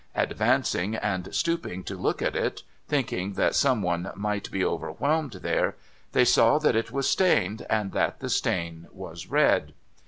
Advancing and stooping to look at it, thinking that some one might be overwhelmed there, they saw that it was stained, and that the stain was red.